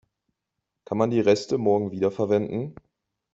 Kann man die Reste morgen wiederverwenden?